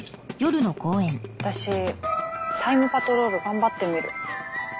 私タイムパトロール頑張ってみる。